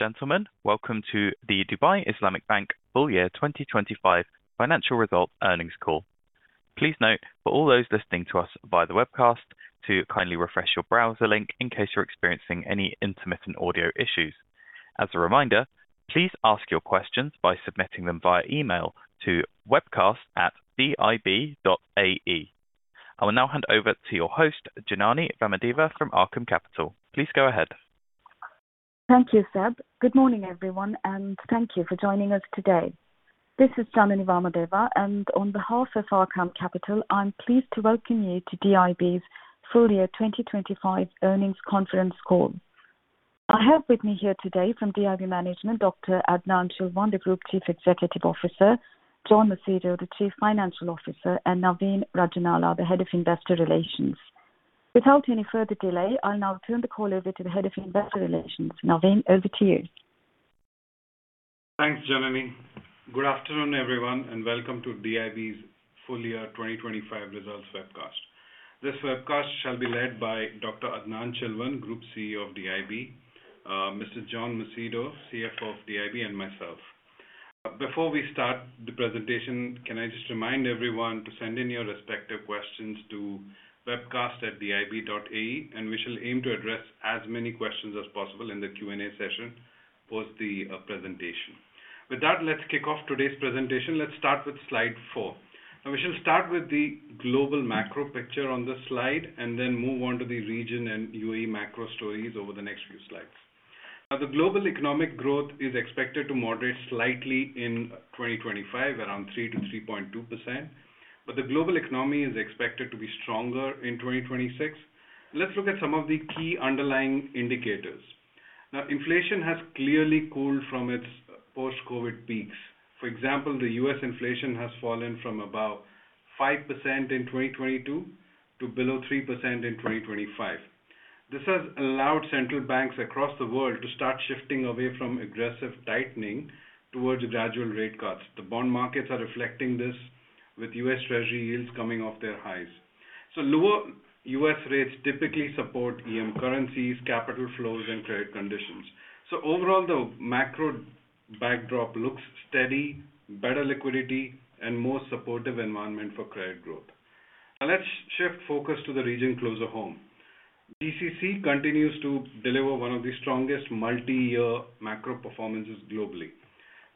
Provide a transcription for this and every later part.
Ladies and gentlemen, welcome to the Dubai Islamic Bank Full Year 2025 Financial Results Earnings Call. Please note, for all those listening to us via the webcast, to kindly refresh your browser link in case you're experiencing any intermittent audio issues. As a reminder, please ask your questions by submitting them via email to webcast@dib.ae. I will now hand over to your host, Janany Vamadeva from Arqaam Capital. Please go ahead. Thank you, Seb. Good morning, everyone, and thank you for joining us today. This is Janany Vamadeva, and on behalf of Arqaam Capital, I'm pleased to welcome you to DIB's full year 2025 Earnings Conference Call. I have with me here today from DIB management, Dr. Adnan Chilwan, the Group Chief Executive Officer, John Macedo, the Chief Financial Officer, and Naveen Rajanala, the Head of Investor Relations. Without any further delay, I'll now turn the call over to the Head of Investor Relations. Naveen, over to you. Thanks, Janany. Good afternoon, everyone, and welcome to DIB's full year 2025 results webcast. This webcast shall be led by Dr. Adnan Chilwan, Group CEO of DIB, Mr. John Macedo, CFO of DIB, and myself. Before we start the presentation, can I just remind everyone to send in your respective questions to webcast@dib.ae, and we shall aim to address as many questions as possible in the Q&A session post the presentation. With that, let's kick off today's presentation. Let's start with slide 4. Now, we shall start with the global macro picture on this slide, and then move on to the region and UAE macro stories over the next few slides. Now, the global economic growth is expected to moderate slightly in 2025, around 3%-3.2%, but the global economy is expected to be stronger in 2026. Let's look at some of the key underlying indicators. Now, inflation has clearly cooled from its post-COVID peaks. For example, the U.S. inflation has fallen from about 5% in 2022 to below 3% in 2025. This has allowed central banks across the world to start shifting away from aggressive tightening towards gradual rate cuts. The bond markets are reflecting this, with U.S. Treasury yields coming off their highs. So lower U.S. rates typically support EM currencies, capital flows, and credit conditions. So overall, the macro backdrop looks steady, better liquidity, and more supportive environment for credit growth. Now let's shift focus to the region closer home. GCC continues to deliver one of the strongest multi-year macro performances globally.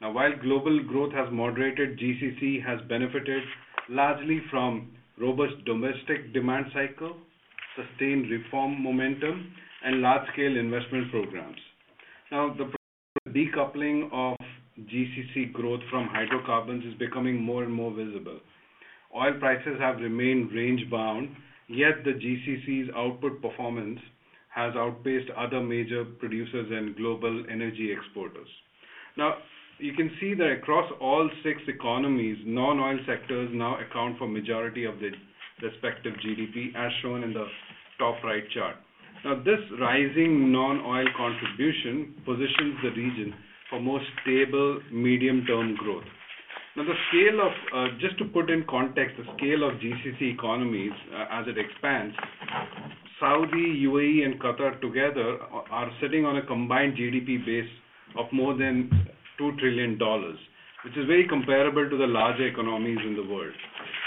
Now, while global growth has moderated, GCC has benefited largely from robust domestic demand cycle, sustained reform momentum, and large-scale investment programs. Now, the decoupling of GCC growth from hydrocarbons is becoming more and more visible. Oil prices have remained range-bound, yet the GCC's output performance has outpaced other major producers and global energy exporters. Now, you can see that across all six economies, non-oil sectors now account for majority of the respective GDP, as shown in the top right chart. Now, this rising non-oil contribution positions the region for more stable medium-term growth. Now, the scale of, Just to put in context, the scale of GCC economies, as it expands, Saudi, UAE, and Qatar together are, are sitting on a combined GDP base of more than $2 trillion, which is very comparable to the larger economies in the world.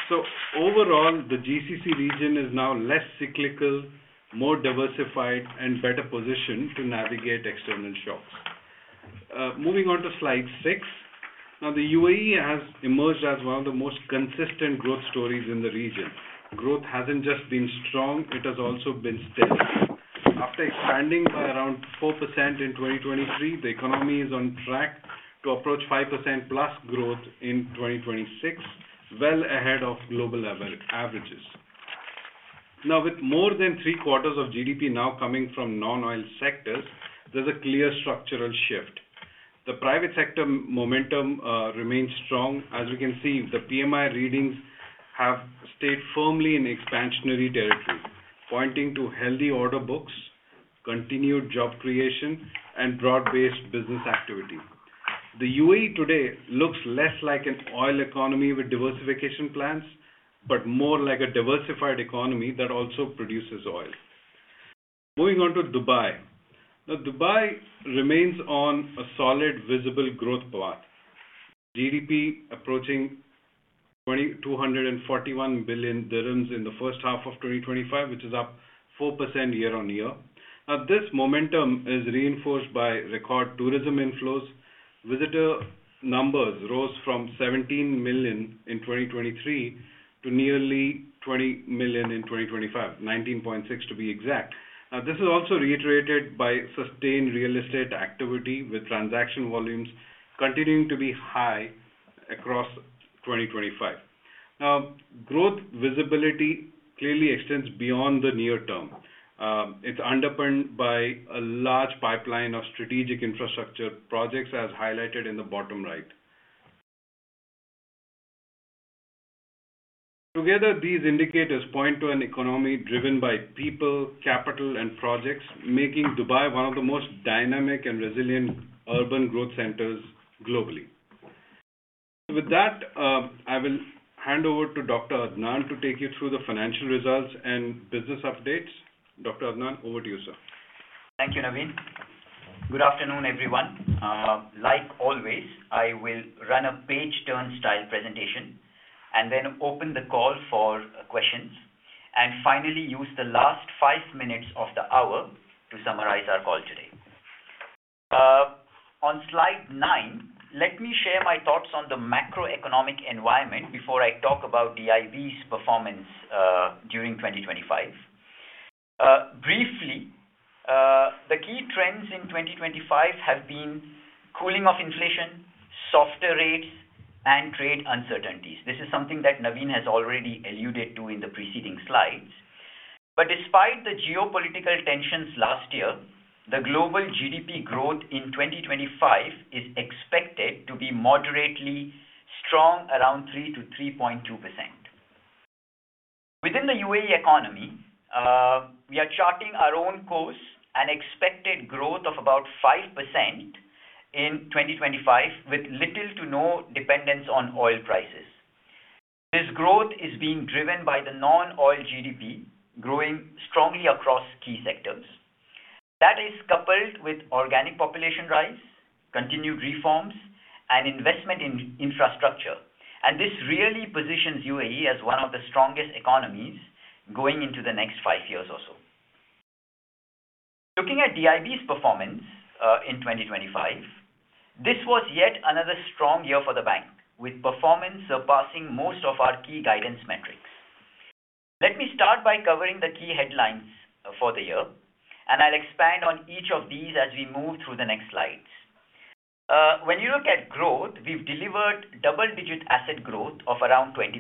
So overall, the GCC region is now less cyclical, more diversified, and better positioned to navigate external shocks. Moving on to slide 6. Now, the UAE has emerged as one of the most consistent growth stories in the region. Growth hasn't just been strong; it has also been steady. After expanding by around 4% in 2023, the economy is on track to approach +5% growth in 2026, well ahead of global level averages. Now, with more than three-quarters of GDP now coming from non-oil sectors, there's a clear structural shift. The private sector momentum remains strong. As you can see, the PMI readings have stayed firmly in expansionary territory, pointing to healthy order books, continued job creation, and broad-based business activity. The UAE today looks less like an oil economy with diversification plans, but more like a diversified economy that also produces oil. Moving on to Dubai. Now, Dubai remains on a solid, visible growth path. GDP approaching 241 billion dirhams in the first half of 2025, which is up 4% year-on-year. Now, this momentum is reinforced by record tourism inflows. Visitor numbers rose from 17 million in 2023 to nearly 20 million in 2025, 19.6 million to be exact. Now, this is also reiterated by sustained real estate activity, with transaction volumes continuing to be high across 2025. Now, growth visibility clearly extends beyond the near term. It's underpinned by a large pipeline of strategic infrastructure projects, as highlighted in the bottom right. Together, these indicators point to an economy driven by people, capital, and projects, making Dubai one of the most dynamic and resilient urban growth centers globally. With that, I will hand over to Dr. Adnan to take you through the financial results and business updates. Dr. Adnan, over to you, sir. Thank you, Naveen. Good afternoon, everyone. Like always, I will run a page turn style presentation and then open the call for questions, and finally use the last five minutes of the hour to summarize our call today. On slide 9, let me share my thoughts on the macroeconomic environment before I talk about DIB's performance during 2025. Briefly, the key trends in 2025 have been cooling of inflation, softer rates, and trade uncertainties. This is something that Naveen has already alluded to in the preceding slides. But despite the geopolitical tensions last year, the global GDP growth in 2025 is expected to be moderately strong, around 3%-3.2%. Within the UAE economy, we are charting our own course, an expected growth of about 5% in 2025, with little to no dependence on oil prices. This growth is being driven by the non-oil GDP, growing strongly across key sectors. That is coupled with organic population rise, continued reforms, and investment in infrastructure. This really positions UAE as one of the strongest economies going into the next five years or so. Looking at DIB's performance, in 2025, this was yet another strong year for the bank, with performance surpassing most of our key guidance metrics. Let me start by covering the key headlines for the year, and I'll expand on each of these as we move through the next slides. When you look at growth, we've delivered double-digit asset growth of around 20%,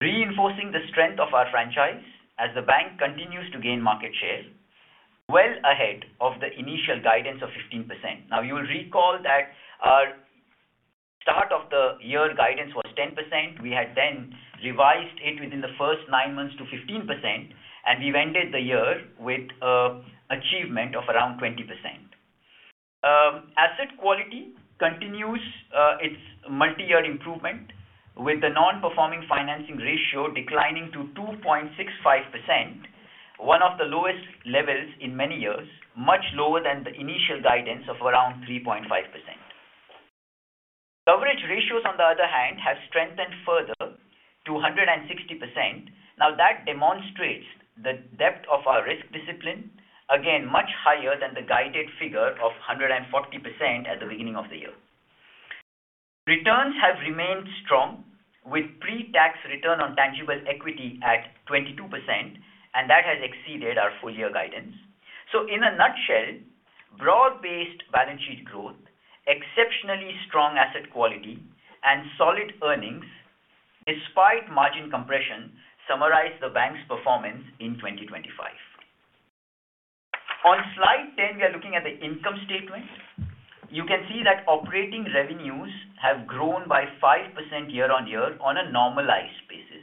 reinforcing the strength of our franchise as the bank continues to gain market share, well ahead of the initial guidance of 15%. Now, you will recall that our start of the year guidance was 10%. We had then revised it within the first nine months to 15%, and we ended the year with achievement of around 20%. Asset quality continues its multi-year improvement, with the non-performing financing ratio declining to 2.65%, one of the lowest levels in many years, much lower than the initial guidance of around 3.5%. Coverage ratios, on the other hand, have strengthened further to 160%. Now, that demonstrates the depth of our risk discipline. Again, much higher than the guided figure of 140% at the beginning of the year. Returns have remained strong, with pre-tax return on tangible equity at 22%, and that has exceeded our full year guidance. So in a nutshell, broad-based balance sheet growth, exceptionally strong asset quality, and solid earnings despite margin compression, summarize the bank's performance in 2025. On slide 10, we are looking at the income statement. You can see that operating revenues have grown by 5% year-on-year on a normalized basis.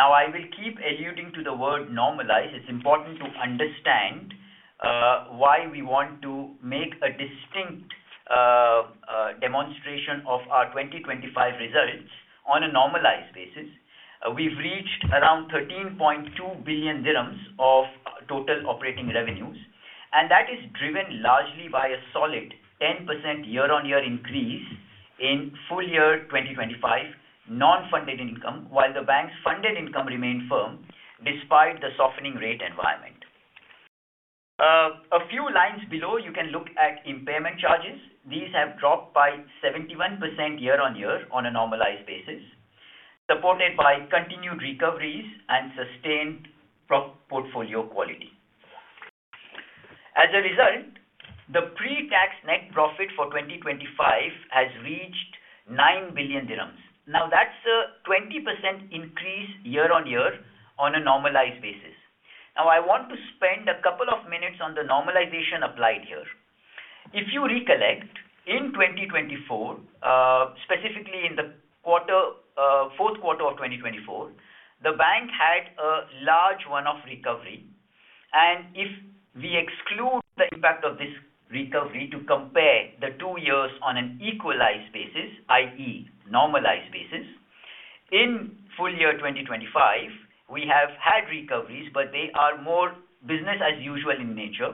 Now, I will keep alluding to the word normalized. It's important to understand why we want to make a distinct demonstration of our 2025 results on a normalized basis. We've reached around 13.2 billion dirhams of total operating revenues, and that is driven largely by a solid 10% year-on-year increase in full year 2025 non-funded income, while the bank's funded income remained firm despite the softening rate environment. A few lines below, you can look at impairment charges. These have dropped by 71% year-on-year on a normalized basis, supported by continued recoveries and sustained strong portfolio quality. As a result, the pre-tax net profit for 2025 has reached 9 billion dirhams. Now, that's a 20% increase year-on-year on a normalized basis. Now, I want to spend a couple of minutes on the normalization applied here. If you recollect, in 2024, specifically in the fourth quarter of 2024, the bank had a large one-off recovery. If we exclude the impact of this recovery to compare the two years on an equalized basis, i.e., normalized basis, in full year 2025, we have had recoveries, but they are more business as usual in nature,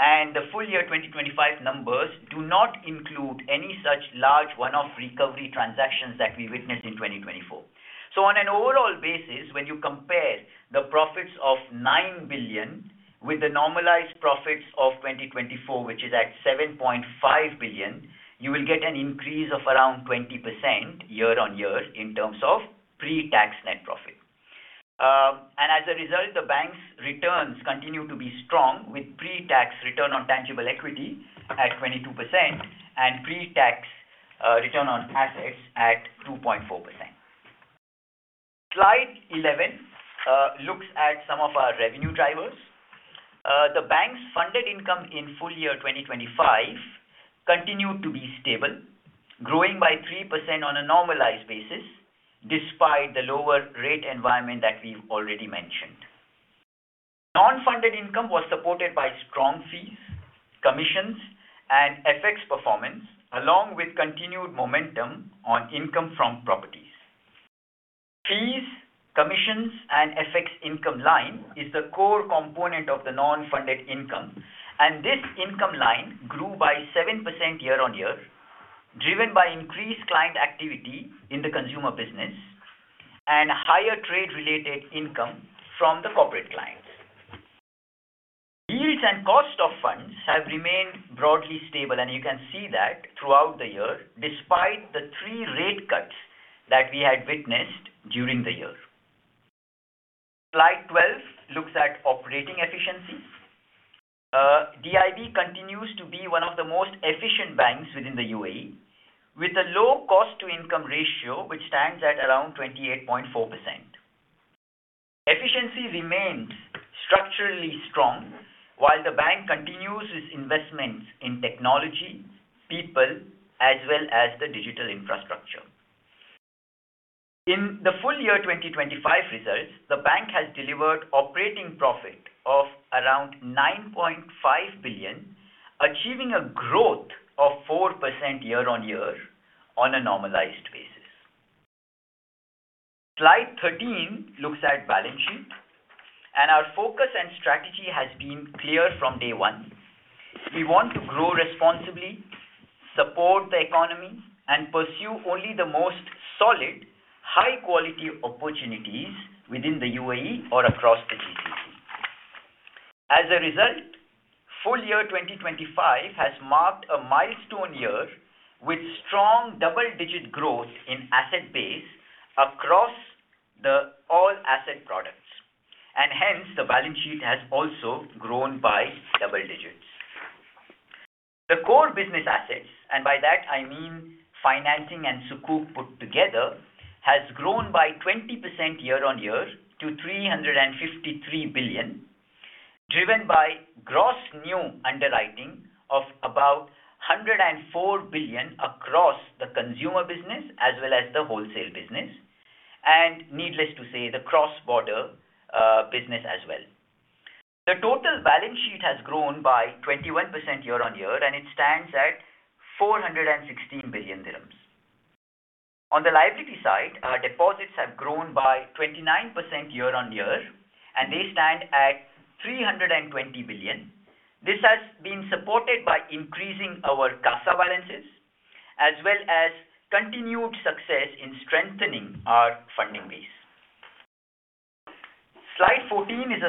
and the full year 2025 numbers do not include any such large one-off recovery transactions that we witnessed in 2024. So on an overall basis, when you compare the profits of 9 billion with the normalized profits of 2024, which is at 7.5 billion, you will get an increase of around 20% year-on-year in terms of pre-tax net profit. And as a result, the bank's returns continue to be strong, with pre-tax return on tangible equity at 22% and pre-tax return on assets at 2.4%. Slide 11 looks at some of our revenue drivers. The bank's funded income in full year 2025 continued to be stable, growing by 3% on a normalized basis, despite the lower rate environment that we've already mentioned. Non-funded income was supported by strong fees, commissions, and FX performance, along with continued momentum on income from properties. Fees, commissions, and FX income line is the core component of the non-funded income, and this income line grew by 7% year-on-year, driven by increased client activity in the consumer business and higher trade-related income from the corporate clients. Yields and cost of funds have remained broadly stable, and you can see that throughout the year, despite the three rate cuts that we had witnessed during the year. Slide 12 looks at operating efficiency. DIB continues to be one of the most efficient banks within the UAE, with a low cost-to-income ratio, which stands at around 28.4%. Efficiency remains structurally strong while the bank continues its investments in technology, people, as well as the digital infrastructure. In the full year 2025 results, the bank has delivered operating profit of around 9.5 billion, achieving a growth of 4% year-on-year on a normalized basis. Slide 13 looks at balance sheet, and our focus and strategy has been clear from day one. We want to grow responsibly, support the economy, and pursue only the most solid, high-quality opportunities within the UAE or across the GCC. As a result, full year 2025 has marked a milestone year with strong double-digit growth in asset base across the all asset products, and hence the balance sheet has also grown by double digits. The core business assets, and by that I mean financing and Sukuk put together, has grown by 20% year-on-year to 353 billion, driven by gross new underwriting of about 104 billion across the consumer business as well as the wholesale business, and needless to say, the cross-border business as well. The total balance sheet has grown by 21% year-on-year, and it stands at 416 billion dirhams. On the liability side, our deposits have grown by 29% year-on-year, and they stand at 320 billion. This has been supported by increasing our CASA balances, as well as continued success in strengthening our funding base. Slide 14 is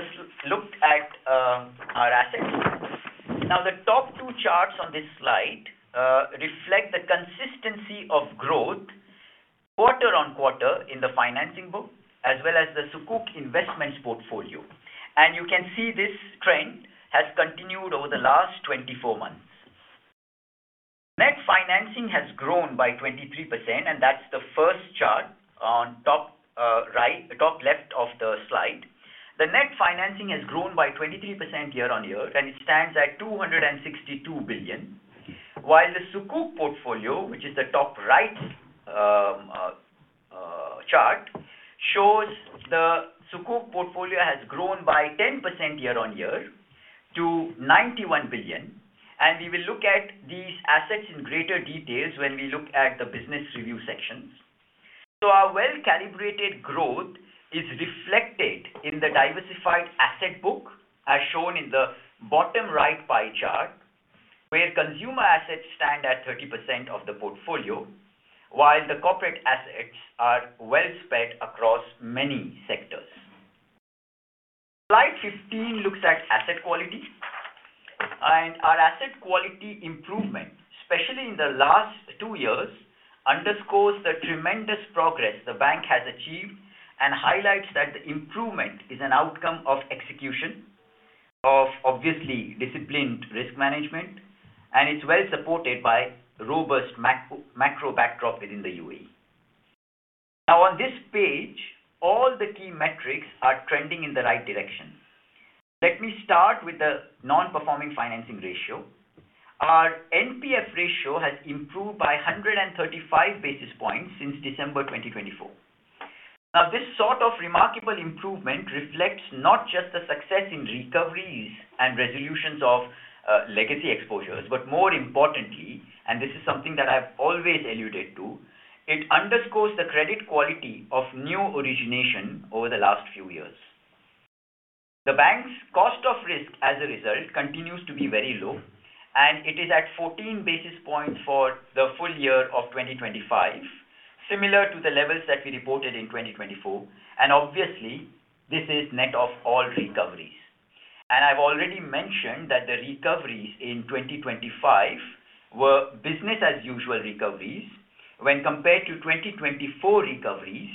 looked at our asset. Now, the top two charts on this slide reflect the consistency of growth quarter-over-quarter in the financing book, as well as the Sukuk investments portfolio. You can see this trend has continued over the last 24 months. Net financing has grown by 23%, and that's the first chart on top, right, the top left of the slide. The net financing has grown by 23% year-over-year, and it stands at 262 billion. While the Sukuk portfolio, which is the top right chart, shows the Sukuk portfolio has grown by 10% year-over-year to 91 billion. We will look at these assets in greater details when we look at the business review sections. So our well-calibrated growth is reflected in the diversified asset book, as shown in the bottom right pie chart, where consumer assets stand at 30% of the portfolio, while the corporate assets are well spread across many sectors. Slide 15 looks at asset quality, and our asset quality improvement, especially in the last two years, underscores the tremendous progress the bank has achieved and highlights that the improvement is an outcome of execution of obviously disciplined risk management, and it's well supported by robust macro backdrop within the UAE. Now, on this page, all the key metrics are trending in the right direction. Let me start with the non-performing financing ratio. Our NPF ratio has improved by 135 basis points since December 2024. Now, this sort of remarkable improvement reflects not just the success in recoveries and resolutions of legacy exposures, but more importantly, and this is something that I've always alluded to, it underscores the credit quality of new origination over the last few years. The bank's cost of risk, as a result, continues to be very low, and it is at 14 basis points for the full year of 2025, similar to the levels that we reported in 2024, and obviously, this is net of all recoveries. I've already mentioned that the recoveries in 2025 were business as usual recoveries when compared to 2024 recoveries,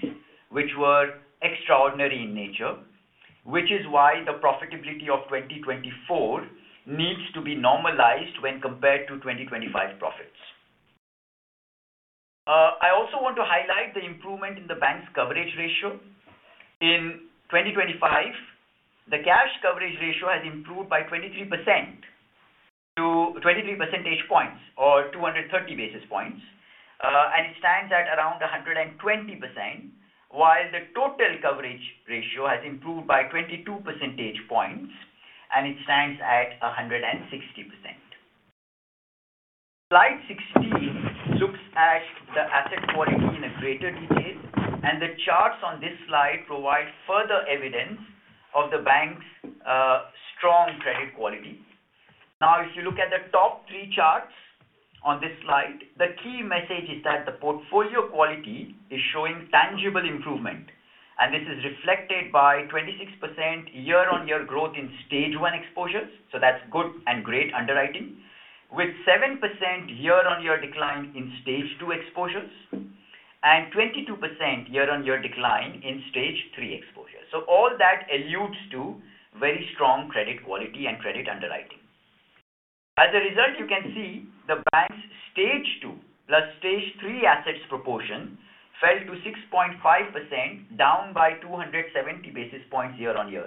which were extraordinary in nature, which is why the profitability of 2024 needs to be normalized when compared to 2025 profits. I also want to highlight the improvement in the bank's coverage ratio. In 2025, the cash coverage ratio has improved by 23% to 23 percentage points or 230 basis points, and it stands at around 120%, while the total coverage ratio has improved by 22 percentage points, and it stands at 160%. Slide 16 looks at the asset quality in greater detail, and the charts on this slide provide further evidence of the bank's strong credit quality. Now, if you look at the top three charts on this slide, the key message is that the portfolio quality is showing tangible improvement, and this is reflected by 26% year-on-year growth in Stage 1 exposures. So that's good and great underwriting. With 7% year-on-year decline in Stage 2 exposures, and 22% year-on-year decline in Stage 3 exposures. So all that alludes to very strong credit quality and credit underwriting. As a result, you can see the bank's Stage 2 + Stage 3 assets proportion fell to 6.5%, down by 270 basis points year-on-year,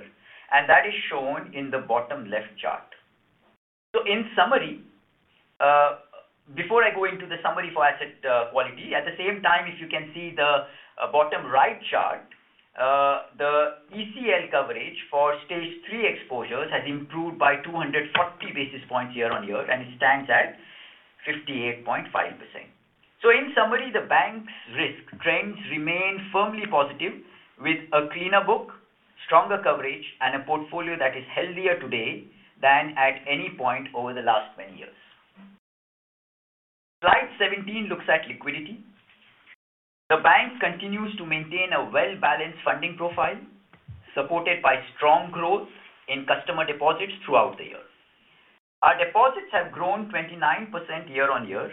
and that is shown in the bottom left chart. So in summary, before I go into the summary for asset quality, at the same time, if you can see the bottom right chart, the ECL coverage for Stage 3 exposures has improved by 240 basis points year-on-year, and it stands at 58.5%. So in summary, the bank's risk trends remain firmly positive with a cleaner book, stronger coverage, and a portfolio that is healthier today than at any point over the last many years. Slide 17 looks at liquidity. The bank continues to maintain a well-balanced funding profile, supported by strong growth in customer deposits throughout the year. Our deposits have grown 29% year-on-year,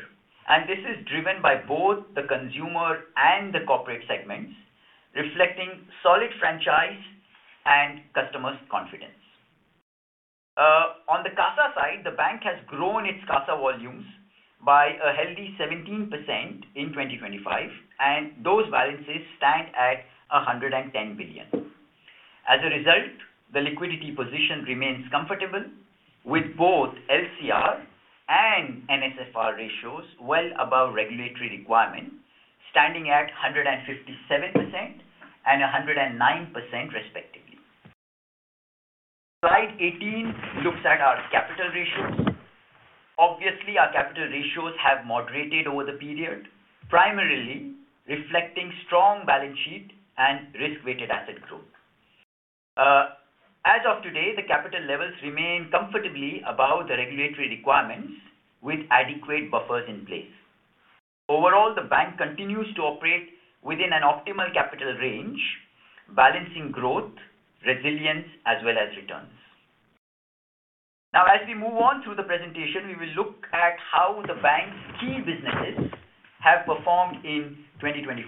and this is driven by both the consumer and the corporate segments, reflecting solid franchise and customers' confidence. On the CASA side, the bank has grown its CASA volumes by a healthy 17% in 2025, and those balances stand at 110 billion. As a result, the liquidity position remains comfortable, with both LCR and NSFR ratios well above regulatory requirements, standing at 157% and 109%, respectively. Slide 18 looks at our capital ratios. Obviously, our capital ratios have moderated over the period, primarily reflecting strong balance sheet and risk-weighted asset growth. As of today, the capital levels remain comfortably above the regulatory requirements with adequate buffers in place. Overall, the bank continues to operate within an optimal capital range, balancing growth, resilience, as well as returns. Now, as we move on through the presentation, we will look at how the bank's key businesses have performed in 2025,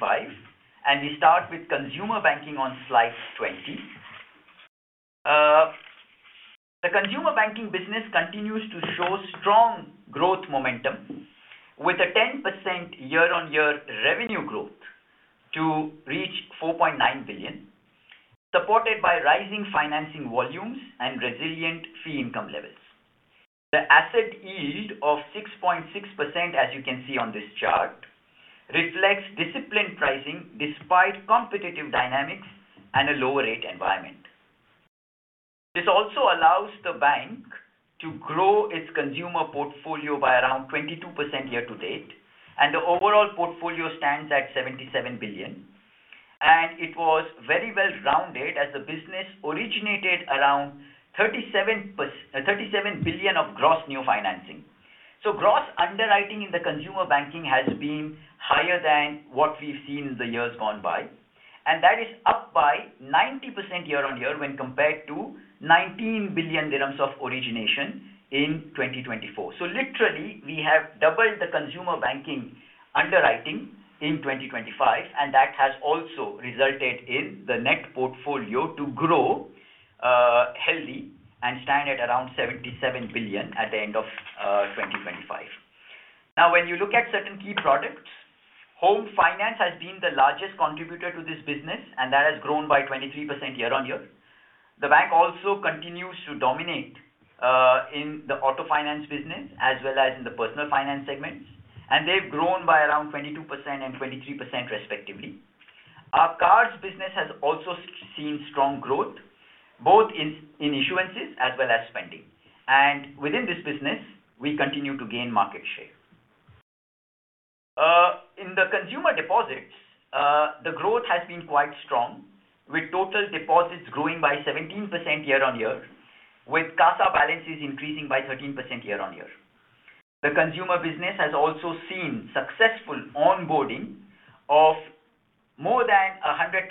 and we start with consumer banking on slide 20. The consumer banking business continues to show strong growth momentum with a 10% year-on-year revenue growth to reach 4.9 billion, supported by rising financing volumes and resilient fee income levels. The asset yield of 6.6%, as you can see on this chart, reflects disciplined pricing despite competitive dynamics and a lower rate environment. This also allows the bank to grow its consumer portfolio by around 22% year to date, and the overall portfolio stands at 77 billion. It was very well-rounded as the business originated around 37 billion of gross new financing. Gross underwriting in the consumer banking has been higher than what we've seen in the years gone by, and that is up by 90% year-on-year when compared to 19 billion dirhams of origination in 2024. Literally, we have doubled the consumer banking underwriting in 2025, and that has also resulted in the net portfolio to grow healthy and stand at around 77 billion at the end of 2025. Now, when you look at certain key products, home finance has been the largest contributor to this business, and that has grown by 23% year-on-year. The bank also continues to dominate in the auto finance business as well as in the personal finance segments, and they've grown by around 22% and 23% respectively. Our cards business has also seen strong growth, both in issuances as well as spending. Within this business, we continue to gain market share. In the consumer deposits, the growth has been quite strong, with total deposits growing by 17% year-over-year, with CASA balances increasing by 13% year-over-year. The consumer business has also seen successful onboarding of more than 100,000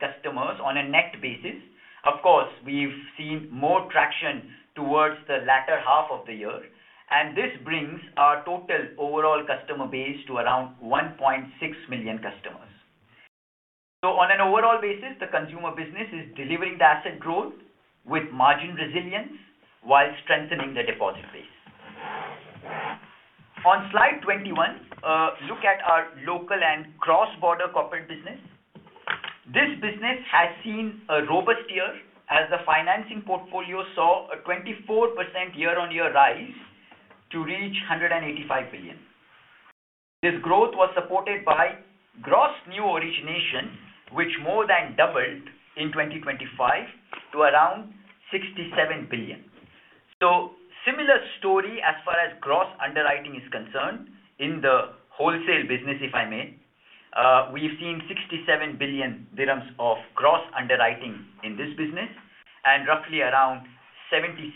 customers on a net basis. Of course, we've seen more traction towards the latter half of the year, and this brings our total overall customer base to around 1.6 million customers. So on an overall basis, the consumer business is delivering the asset growth with margin resilience while strengthening the deposit base. On slide 21, look at our local and cross-border corporate business. This business has seen a robust year as the financing portfolio saw a 24% year-on-year rise to reach 185 billion. This growth was supported by gross new origination, which more than doubled in 2025 to around 67 billion. So similar story as far as gross underwriting is concerned in the wholesale business, if I may. We've seen 67 billion dirhams of gross underwriting in this business, and roughly around 37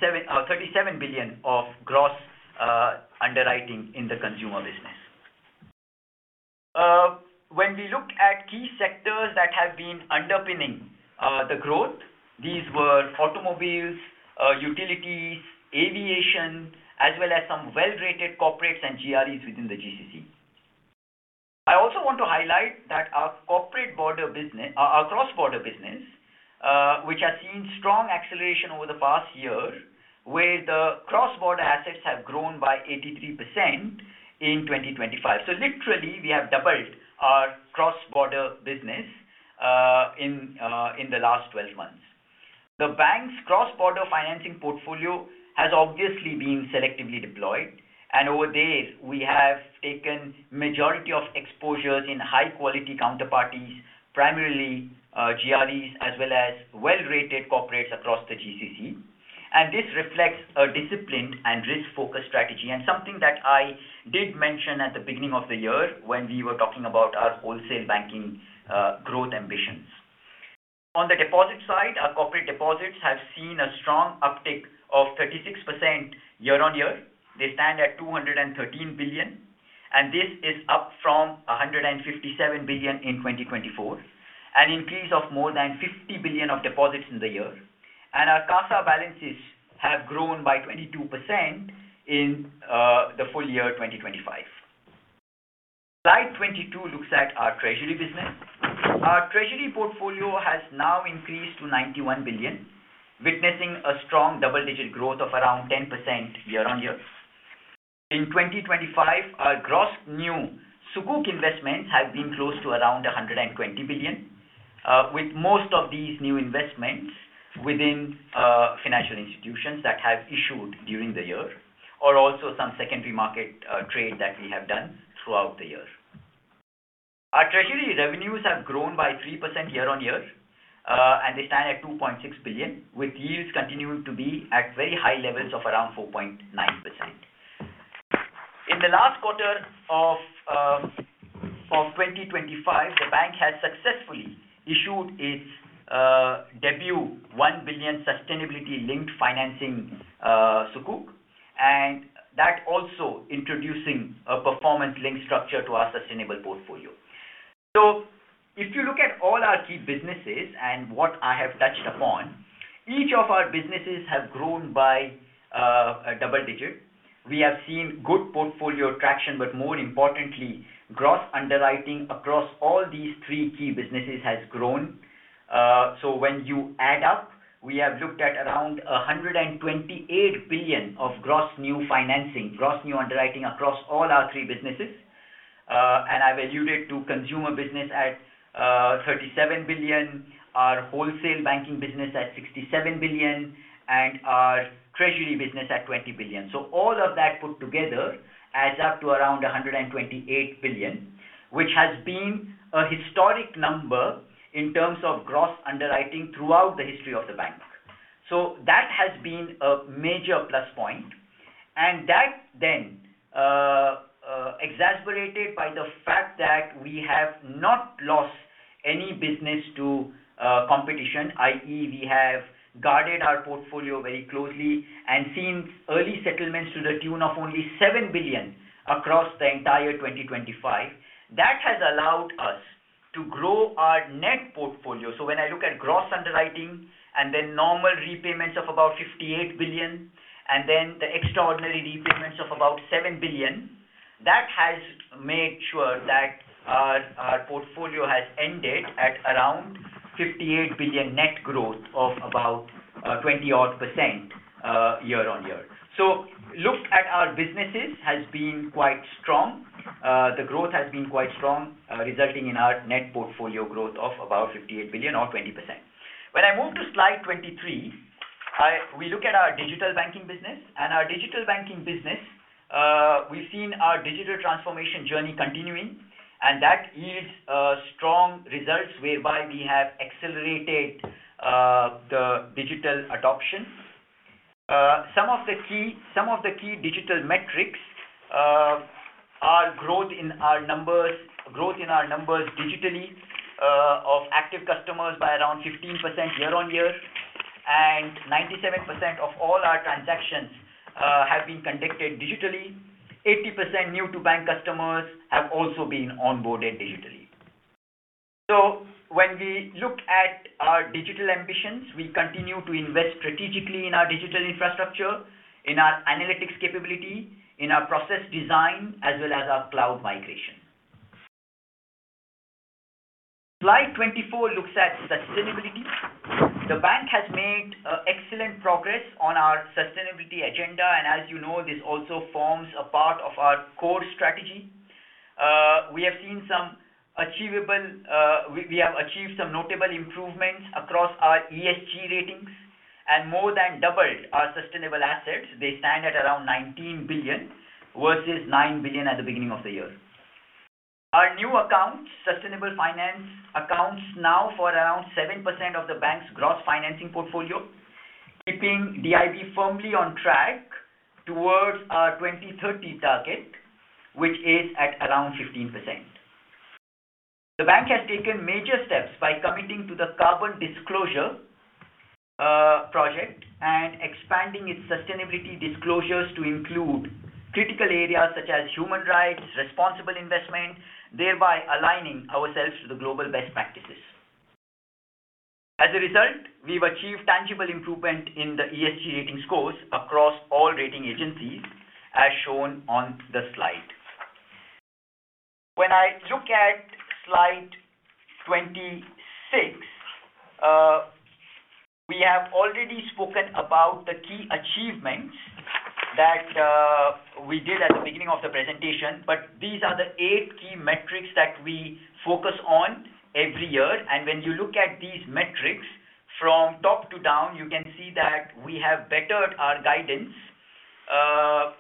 billion of gross underwriting in the consumer business. When we look at key sectors that have been underpinning the growth, these were automobiles, utilities, aviation, as well as some well-rated corporates and GREs within the GCC. I also want to highlight that our corporate border business—our cross-border business, which has seen strong acceleration over the past year, where the cross-border assets have grown by 83% in 2025. So literally, we have doubled our cross-border business in the last twelve months. The bank's cross-border financing portfolio has obviously been selectively deployed, and over days, we have taken majority of exposures in high-quality counterparties, primarily GREs, as well as well-rated corporates across the GCC. And this reflects a disciplined and risk-focused strategy, and something that I did mention at the beginning of the year when we were talking about our wholesale banking growth ambitions. On the deposit side, our corporate deposits have seen a strong uptick of 36% year-on-year. They stand at 213 billion, and this is up from 157 billion in 2024, an increase of more than 50 billion of deposits in the year. And our CASA balances have grown by 22% in, the full year, 2025. Slide 22 looks at our treasury business. Our treasury portfolio has now increased to 91 billion, witnessing a strong double-digit growth of around 10% year-on-year. In 2025, our gross new Sukuk investments have been close to around 120 billion, with most of these new investments within, financial institutions that have issued during the year, or also some secondary market, trade that we have done throughout the year. Our treasury revenues have grown by 3% year-on-year, and they stand at 2.6 billion, with yields continuing to be at very high levels of around 4.9%. In the last quarter of 2025, the bank has successfully issued its debut 1 billion sustainability-linked financing Sukuk, and that also introducing a performance-linked structure to our sustainable portfolio. So if you look at all our key businesses and what I have touched upon, each of our businesses have grown by a double digit. We have seen good portfolio traction, but more importantly, gross underwriting across all these three key businesses has grown. So when you add up, we have looked at around 128 billion of gross new financing, gross new underwriting across all our three businesses. and I've alluded to consumer business at 37 billion, our wholesale banking business at 67 billion, and our treasury business at 20 billion. So all of that put together adds up to around 128 billion, which has been a historic number in terms of gross underwriting throughout the history of the bank. So that has been a major plus point, and that then exacerbated by the fact that we have not lost any business to competition, i.e., we have guarded our portfolio very closely and seen early settlements to the tune of only 7 billion across the entire 2025. That has allowed us to grow our net portfolio. So when I look at gross underwriting and then normal repayments of about 58 billion, and then the extraordinary repayments of about 7 billion, that has made sure that our portfolio has ended at around 58 billion net growth of about 20%-odd, year-on-year. So look at our businesses has been quite strong. The growth has been quite strong, resulting in our net portfolio growth of about 58 billion or 20%. When I move to slide 23, we look at our digital banking business. And our digital banking business, we've seen our digital transformation journey continuing, and that yields strong results whereby we have accelerated the digital adoption. Some of the key digital metrics are growth in our numbers digitally of active customers by around 15% year-on-year, and 97% of all our transactions have been conducted digitally. 80% new-to-bank customers have also been onboarded digitally. So when we look at our digital ambitions, we continue to invest strategically in our digital infrastructure, in our analytics capability, in our process design, as well as our cloud migration. Slide 24 looks at sustainability. The bank has made excellent progress on our sustainability agenda, and as you know, this also forms a part of our core strategy. We have achieved some notable improvements across our ESG ratings and more than doubled our sustainable assets. They stand at around 19 billion versus 9 billion at the beginning of the year. Our new accounts, sustainable finance accounts, now for around 7% of the bank's gross financing portfolio, keeping DIB firmly on track towards our 2030 target, which is at around 15%. The bank has taken major steps by committing to the Carbon Disclosure Project and expanding its sustainability disclosures to include critical areas such as human rights, responsible investment, thereby aligning ourselves to the global best practices. As a result, we've achieved tangible improvement in the ESG rating scores across all rating agencies, as shown on the slide. When I look at slide 26, we have already spoken about the key achievements that we did at the beginning of the presentation, but these are the eight key metrics that we focus on every year. When you look at these metrics from top to down, you can see that we have bettered our guidance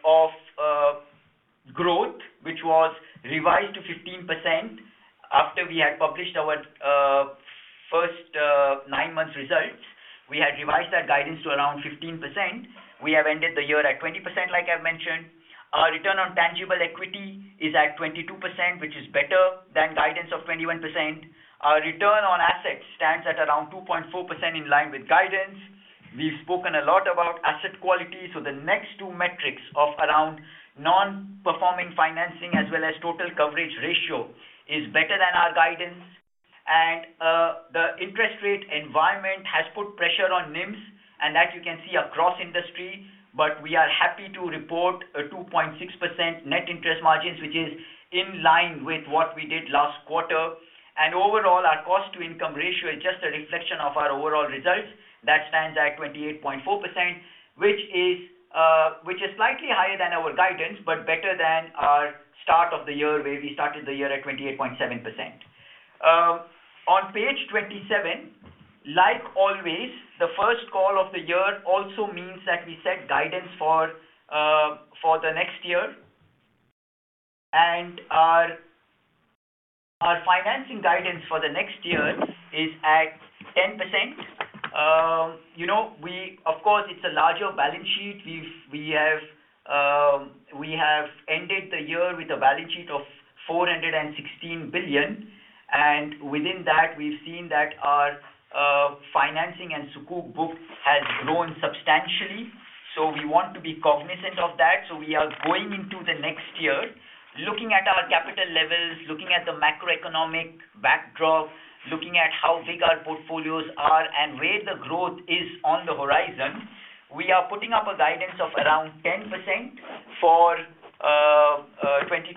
of growth, which was revised to 15% after we had published our first nine months results. We had revised that guidance to around 15%. We have ended the year at 20% like I've mentioned. Our return on tangible equity is at 22%, which is better than guidance of 21%. Our return on assets stands at around 2.4% in line with guidance. We've spoken a lot about asset quality, so the next two metrics of around non-performing financing as well as total coverage ratio is better than our guidance. And, the interest rate environment has put pressure on NIMs, and that you can see across industry. But we are happy to report a 2.6% net interest margin, which is in line with what we did last quarter. Overall, our cost-to-income ratio is just a reflection of our overall results. That stands at 28.4%, which is slightly higher than our guidance, but better than our start of the year, where we started the year at 28.7%. On page 27, like always, the first call of the year also means that we set guidance for the next year. Our financing guidance for the next year is at 10%. You know, we of course, it's a larger balance sheet. We have ended the year with a balance sheet of 416 billion, and within that, we've seen that our financing and sukuk book has grown substantially. So we want to be cognizant of that. So we are going into the next year, looking at our capital levels, looking at the macroeconomic backdrop, looking at how big our portfolios are and where the growth is on the horizon. We are putting up a guidance of around 10% for 2026.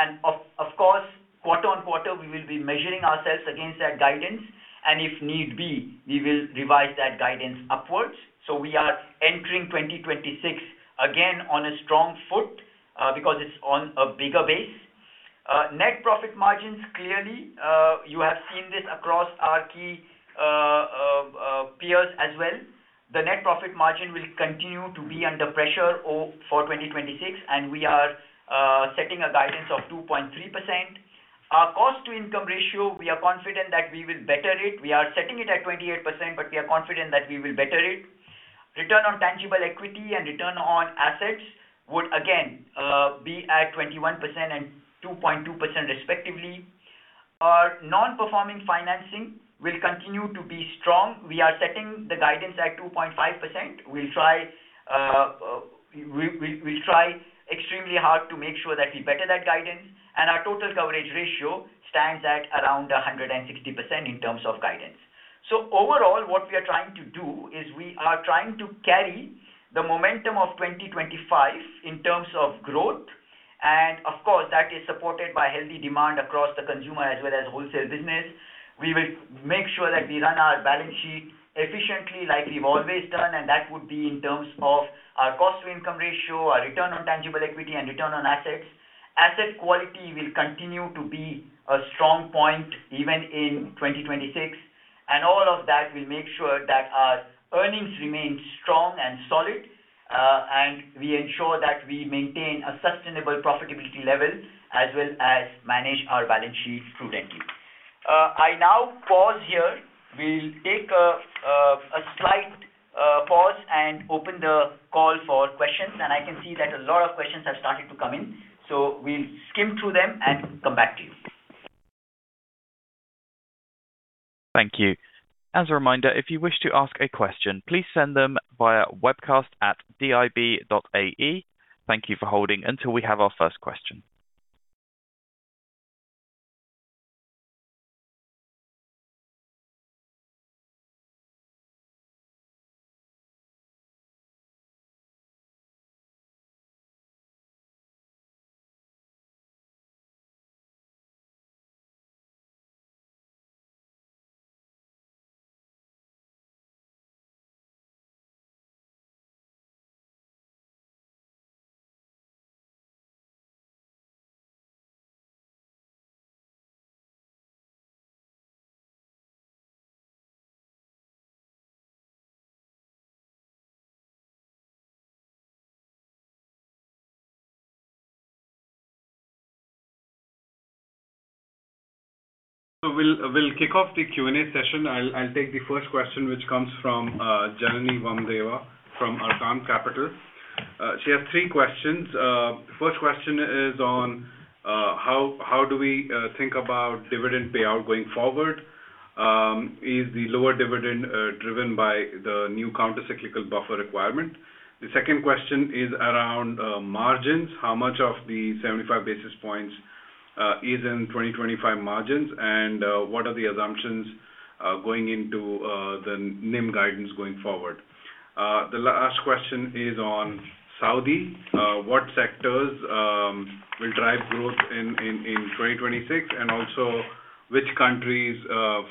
And of course, quarter-on-quarter, we will be measuring ourselves against that guidance, and if need be, we will revise that guidance upwards. So we are entering 2026 again on a strong foot, because it's on a bigger base. Net profit margins, clearly, you have seen this across our key peers as well. The net profit margin will continue to be under pressure for 2026, and we are setting a guidance of 2.3%. Our cost-to-income ratio, we are confident that we will better it. We are setting it at 28%, but we are confident that we will better it. Return on tangible equity and return on assets would again be at 21% and 2.2% respectively. Our non-performing financing will continue to be strong. We are setting the guidance at 2.5%. We'll try extremely hard to make sure that we better that guidance, and our total coverage ratio stands at around 160% in terms of guidance. So overall, what we are trying to do is we are trying to carry the momentum of 2025 in terms of growth, and of course, that is supported by healthy demand across the consumer as well as wholesale business. We will make sure that we run our balance sheet efficiently like we've always done, and that would be in terms of our cost-to-income ratio, our return on tangible equity, and return on assets. Asset quality will continue to be a strong point even in 2026. And all of that will make sure that our earnings remain strong and solid, and we ensure that we maintain a sustainable profitability level, as well as manage our balance sheet prudently. I now pause here. We'll take a slight pause and open the call for questions. I can see that a lot of questions have started to come in, so we'll skim through them and come back to you. Thank you. As a reminder, if you wish to ask a question, please send them via webcast@dib.ae. Thank you for holding until we have our first question. So we'll kick off the Q&A session. I'll take the first question, which comes from Janany Vamadeva from Arqaam Capital. She has three questions. First question is on how do we think about dividend payout going forward? Is the lower dividend driven by the new countercyclical buffer requirement? The second question is around margins. How much of the 75 basis points is in 2025 margins? And what are the assumptions going into the NIM guidance going forward? The last question is on Saudi. What sectors will drive growth in 2026? And also which countries,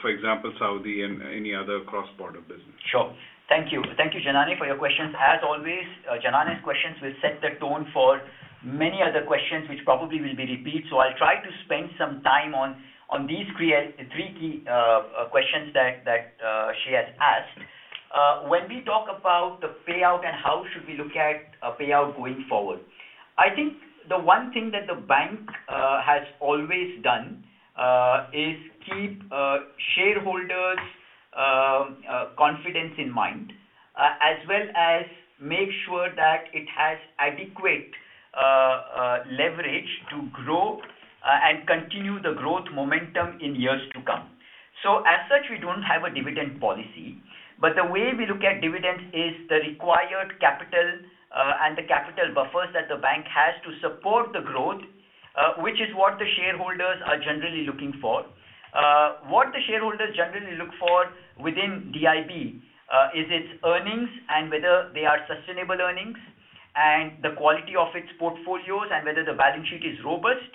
for example, Saudi and any other cross-border business? Sure. Thank you. Thank you, Janany, for your questions. As always, Janany's questions will set the tone for many other questions, which probably will be repeated. So I'll try to spend some time on these three key questions that she has asked. When we talk about the payout and how should we look at a payout going forward? I think the one thing that the bank has always done is keep shareholders' confidence in mind, as well as make sure that it has adequate leverage to grow and continue the growth momentum in years to come. So as such, we don't have a dividend policy, but the way we look at dividends is the required capital, and the capital buffers that the bank has to support the growth, which is what the shareholders are generally looking for. What the shareholders generally look for within DIB is its earnings and whether they are sustainable earnings, and the quality of its portfolios, and whether the balance sheet is robust.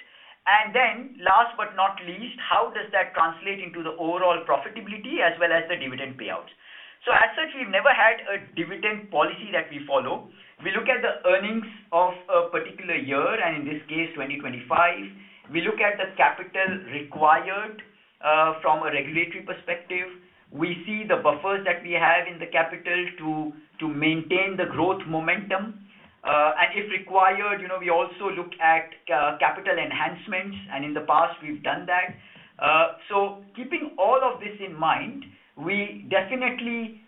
And then, last but not least, how does that translate into the overall profitability as well as the dividend payouts? So as such, we've never had a dividend policy that we follow. We look at the earnings of a particular year, and in this case, 2025. We look at the capital required from a regulatory perspective. We see the buffers that we have in the capital to maintain the growth momentum. And if required, you know, we also look at capital enhancements, and in the past, we've done that. So keeping all of this in mind, we definitely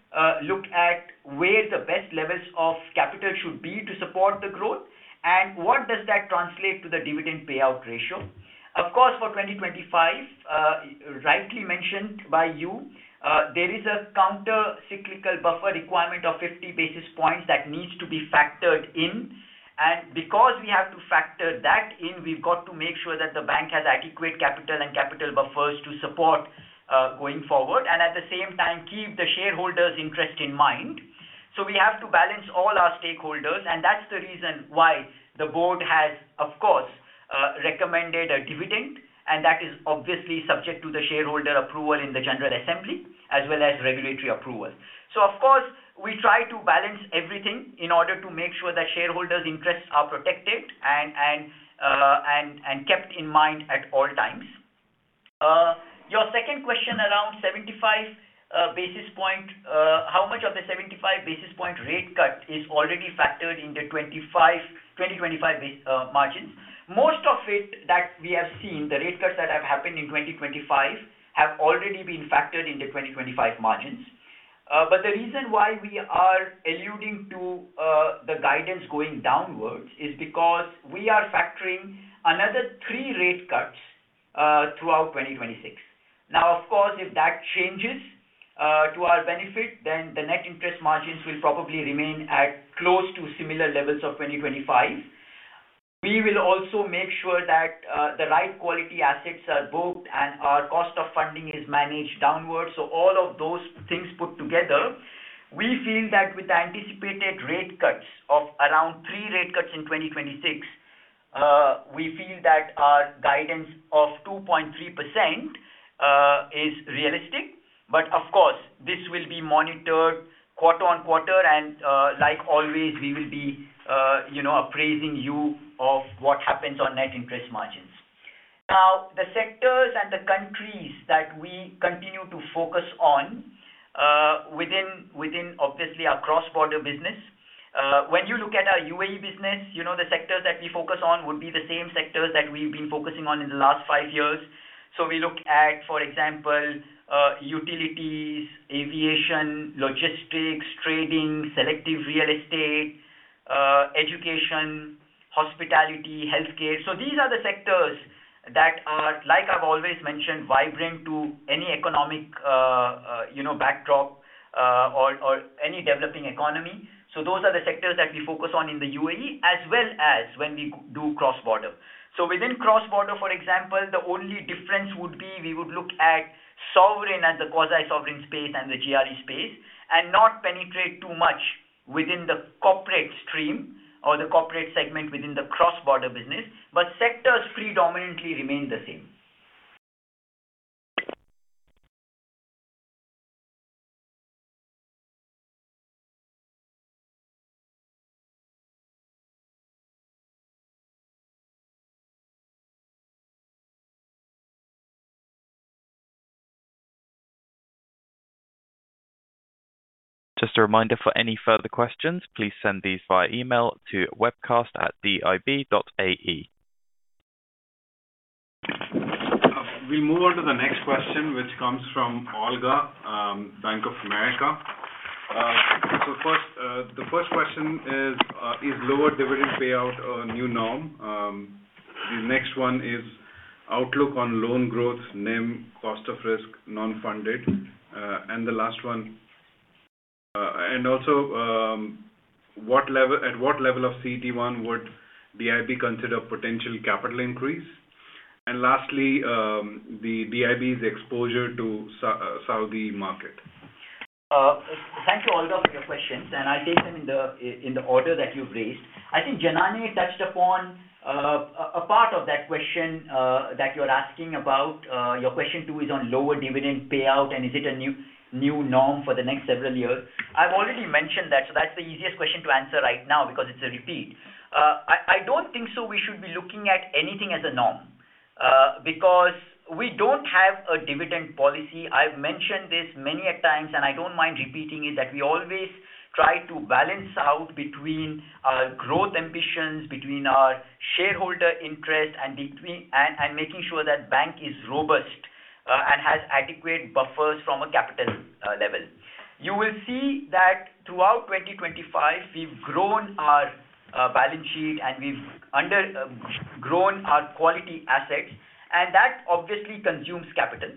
look at where the best levels of capital should be to support the growth, and what does that translate to the dividend payout ratio. Of course, for 2025, rightly mentioned by you, there is a countercyclical buffer requirement of 50 basis points that needs to be factored in. And because we have to factor that in, we've got to make sure that the bank has adequate capital and capital buffers to support going forward, and at the same time, keep the shareholders' interest in mind. So we have to balance all our stakeholders, and that's the reason why the board has, of course, recommended a dividend, and that is obviously subject to the shareholder approval in the general assembly, as well as regulatory approval. So of course, we try to balance everything in order to make sure that shareholders' interests are protected and kept in mind at all times. Your second question around 75 basis point. How much of the 75 basis point rate cut is already factored in the 2025 margins? Most of it that we have seen, the rate cuts that have happened in 2025, have already been factored in the 2025 margins. But the reason why we are alluding to the guidance going downwards is because we are factoring another 3 rate cuts throughout 2026. Now, of course, if that changes to our benefit, then the net interest margins will probably remain at close to similar levels of 2025. We will also make sure that the right quality assets are booked and our cost of funding is managed downwards. So all of those things put together, we feel that with the anticipated rate cuts of around three rate cuts in 2026, we feel that our guidance of 2.3% is realistic. But of course, this will be monitored quarter-on-quarter and, like always, we will be, you know, apprising you of what happens on net interest margins. Now, the sectors and the countries that we continue to focus on, within obviously our cross-border business. When you look at our UAE business, you know, the sectors that we focus on would be the same sectors that we've been focusing on in the last five years. So we look at, for example, utilities, aviation, logistics, trading, selective real estate, education, hospitality, healthcare. So these are the sectors that are, like I've always mentioned, vibrant to any economic, you know, backdrop, or any developing economy. So those are the sectors that we focus on in the UAE, as well as when we do cross-border. So within cross-border, for example, the only difference would be we would look at sovereign and the quasi-sovereign space and the GRE space, and not penetrate too much within the corporate stream or the corporate segment within the cross-border business. But sectors predominantly remain the same. Just a reminder, for any further questions, please send these via email to webcast@dib.ae. We move on to the next question, which comes from Olga, Bank of America. So first, the first question is, is lower dividend payout a new norm? The next one is outlook on loan growth, NIM, cost of risk, non-funded. And the last one, and also, at what level of CET1 would DIB consider potential capital increase? And lastly, the DIB's exposure to Saudi market. Thank you, Olga, for your questions, and I take them in the order that you've raised. I think Janany touched upon a part of that question that you're asking about. Your question two is on lower dividend payout, and is it a new norm for the next several years? I've already mentioned that, so that's the easiest question to answer right now because it's a repeat. I don't think so we should be looking at anything as a norm, because we don't have a dividend policy. I've mentioned this many a times, and I don't mind repeating it, that we always try to balance out between our growth ambitions, between our shareholder interest, and between making sure that bank is robust, and has adequate buffers from a capital level. You will see that throughout 2025, we've grown our balance sheet, and we've grown our quality assets, and that obviously consumes capital.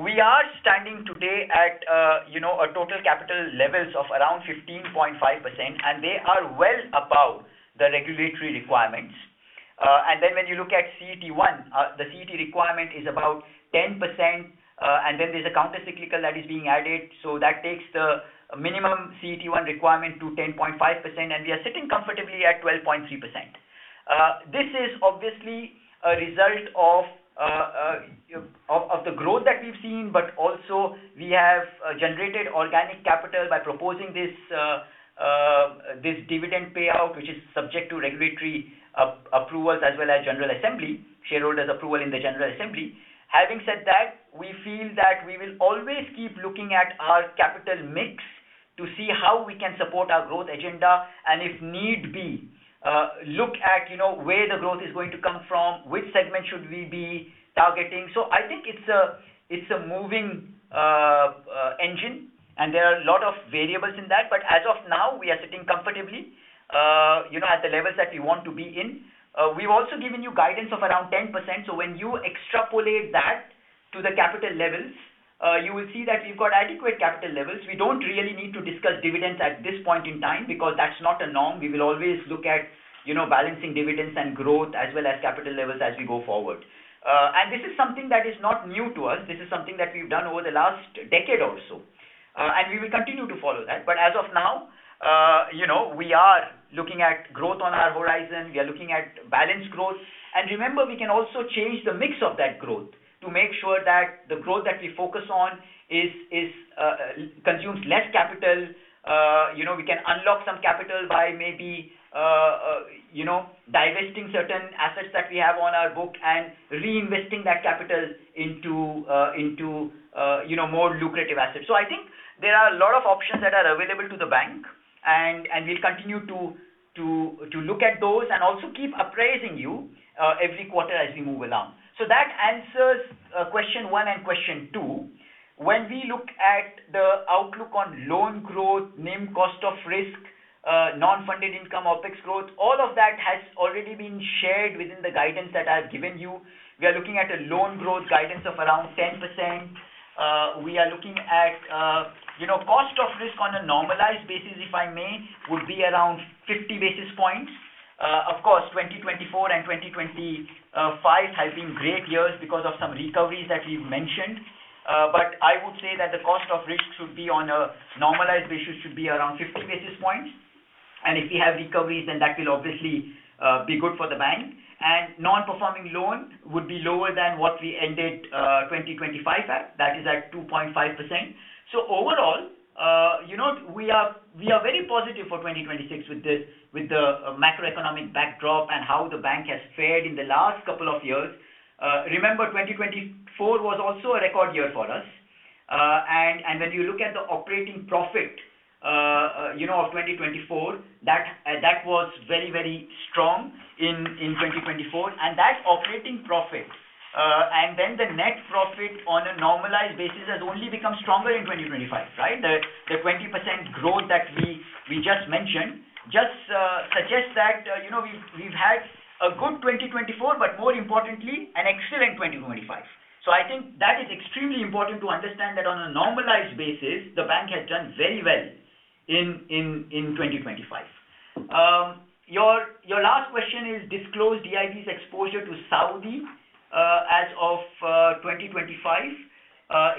We are standing today at a, you know, a total capital levels of around 15.5%, and they are well above the regulatory requirements. And then when you look at CET1, the CET requirement is about 10%, and then there's a countercyclical that is being added. So that takes the minimum CET1 requirement to 10.5%, and we are sitting comfortably at 12.3%. This is obviously a result of of the growth that we've seen, but also we have generated organic capital by proposing this this dividend payout, which is subject to regulatory approvals as well as general assembly, shareholders approval in the general assembly. Having said that, we feel that we will always keep looking at our capital mix to see how we can support our growth agenda, and if need be, look at, you know, where the growth is going to come from, which segment should we be targeting. So I think it's a moving engine, and there are a lot of variables in that, but as of now, we are sitting comfortably, you know, at the levels that we want to be in. We've also given you guidance of around 10%. So when you extrapolate that to the capital levels, you will see that we've got adequate capital levels. We don't really need to discuss dividends at this point in time because that's not a norm. We will always look at, you know, balancing dividends and growth as well as capital levels as we go forward. This is something that is not new to us. This is something that we've done over the last decade or so, and we will continue to follow that. But as of now, you know, we are looking at growth on our horizon. We are looking at balanced growth. And remember, we can also change the mix of that growth to make sure that the growth that we focus on consumes less capital. You know, we can unlock some capital by maybe divesting certain assets that we have on our book and reinvesting that capital into more lucrative assets. So I think there are a lot of options that are available to the bank, and we'll continue to look at those and also keep appraising you every quarter as we move along. So that answers question one and question two. When we look at the outlook on loan growth, NIM, cost of risk, non-funded income, OpEx growth, all of that has already been shared within the guidance that I've given you. We are looking at a loan growth guidance of around 10%. We are looking at, you know, cost of risk on a normalized basis, if I may, would be around 50 basis points. Of course, 2024 and 2025 have been great years because of some recoveries that we've mentioned. But I would say that the cost of risk should be on a normalized basis, should be around 50 basis points. And if we have recoveries, then that will obviously be good for the bank. And non-performing financing would be lower than what we ended 2025 at. That is at 2.5%. So overall, you know, we are very positive for 2026 with the macroeconomic backdrop and how the bank has fared in the last couple of years. Remember, 2024 was also a record year for us. And when you look at the operating profit, you know, of 2024, that was very, very strong in 2024. That operating profit, and then the net profit on a normalized basis, has only become stronger in 2025, right? The 20% growth that we just mentioned just suggests that, you know, we've had a good 2024, but more importantly, an excellent 2025. So I think that is extremely important to understand that on a normalized basis, the bank has done very well in 2025. Your last question is disclose DIB's exposure to Saudi as of 2025.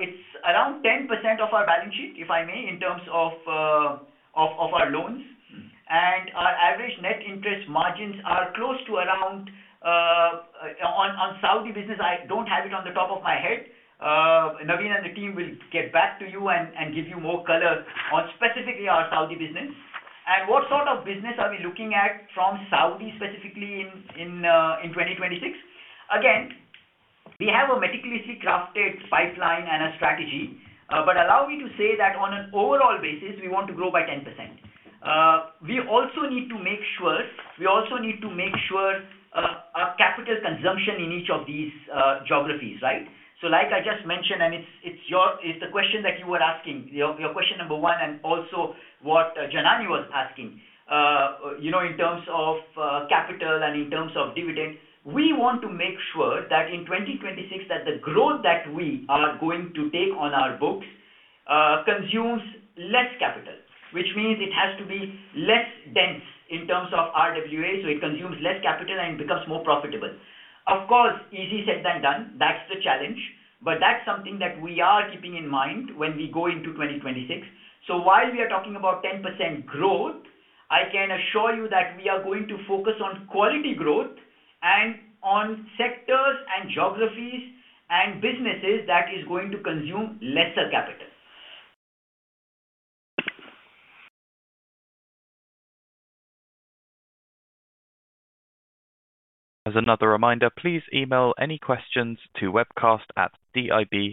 It's around 10% of our balance sheet, if I may, in terms of our loans. Our average net interest margins are close to around on Saudi business. I don't have it on the top of my head. Naveen and the team will get back to you and, and give you more color on specifically our Saudi business. What sort of business are we looking at from Saudi, specifically in, in, in 2026? Again, we have a meticulously crafted pipeline and a strategy, but allow me to say that on an overall basis, we want to grow by 10%. We also need to make sure, we also need to make sure, our capital consumption in each of these geographies, right? Like I just mentioned, and it's, it's your-- it's the question that you were asking, your, your question number one, and also what Janany was asking. You know, in terms of capital and in terms of dividends, we want to make sure that in 2026, that the growth that we are going to take on our books consumes less capital, which means it has to be less dense in terms of RWA, so it consumes less capital and becomes more profitable. Of course, easier said than done. That's the challenge, but that's something that we are keeping in mind when we go into 2026. So while we are talking about 10% growth, I can assure you that we are going to focus on quality growth and on sectors, and geographies, and businesses that is going to consume lesser capital. As another reminder, please email any questions to webcast@dib.ae.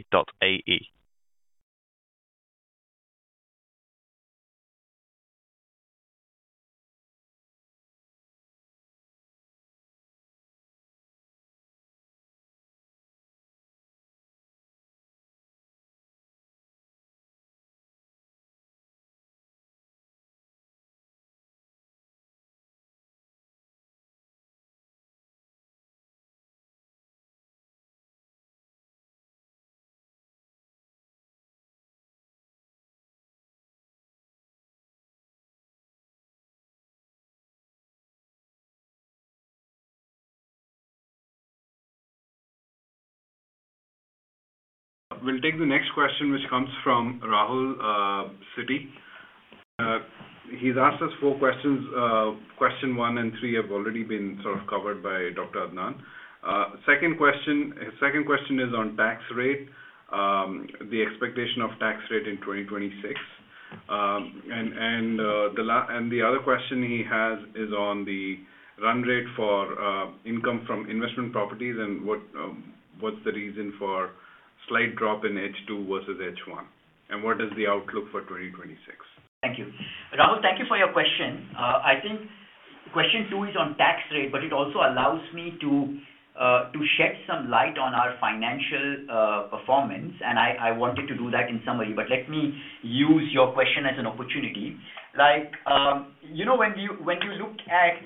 We'll take the next question, which comes from Rahul, Citi. He's asked us four questions. Question one and three have already been sort of covered by Dr. Adnan. Second question, his second question is on tax rate. The expectation of tax rate in 2026. And the other question he has is on the run rate for income from investment properties and what's the reason for slight drop in H2 versus H1, and what is the outlook for 2026? Thank you. Rahul, thank you for your question. I think question two is on tax rate, but it also allows me to to shed some light on our financial performance, and I wanted to do that in summary. But let me use your question as an opportunity. Like, you know, when you look at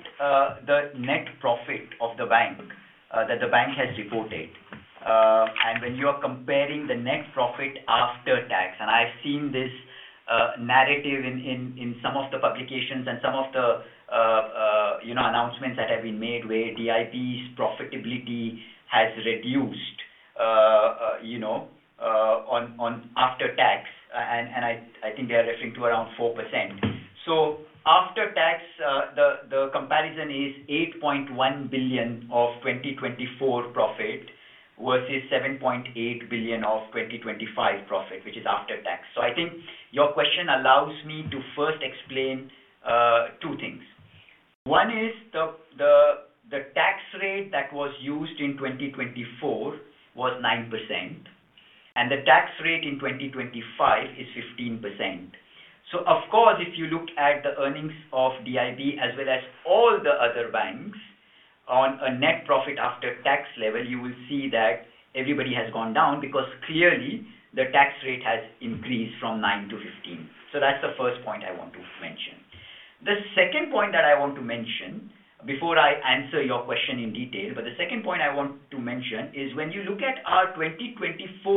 the net profit of the bank that the bank has reported, and when you are comparing the net profit after tax, and I've seen this narrative in some of the publications and some of the you know, announcements that have been made, where DIB's profitability has reduced, you know, on after tax, and I think they are referring to around 4%. So after tax, the comparison is 8.1 billion of 2024 profit, versus 7.8 billion of 2025 profit, which is after tax. So I think your question allows me to first explain two things. One is the tax rate that was used in 2024 was 9%, and the tax rate in 2025 is 15%. So of course, if you look at the earnings of DIB as well as all the other banks on a net profit after tax level, you will see that everybody has gone down because clearly the tax rate has increased from 9% to 15%. So that's the first point I want to mention. The second point that I want to mention before I answer your question in detail, but the second point I want to mention is when you look at our 2024